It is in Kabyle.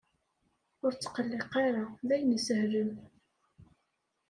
Ur ttqelliq ara! D ayen isehlen.